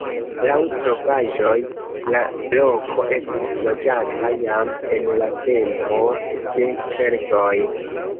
Laŭ trovaĵoj la loko estis loĝata jam en la tempo de keltoj.